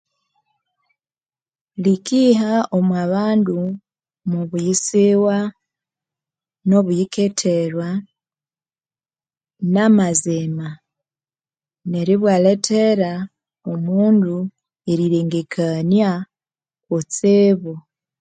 Likiha omwabandu mwobiyisiwa nobuyiketherwa namazima neryo obwalethere omundu erilengekania kutsibu